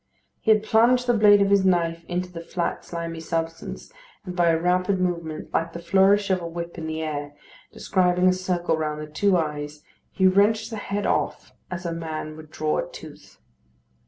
He had plunged the blade of his knife into the flat slimy substance, and by a rapid movement, like the flourish of a whip in the air, describing a circle round the two eyes, he wrenched the head off as a man would draw a tooth.